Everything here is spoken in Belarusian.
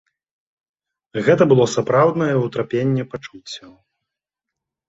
Гэта было сапраўднае ўтрапенне пачуццяў.